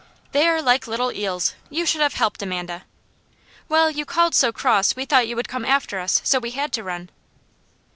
"They are like little eels. You should have helped Amanda." "Well, you called so cross we thought you would come after us, so we had to run."